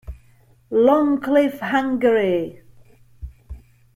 Long live Hungary!